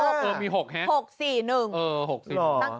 เออมี๖ใช่ไหม๖๔๑หรอ